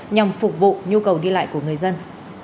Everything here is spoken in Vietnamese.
nhằm phục vụ nhu cầu đi lại của người dân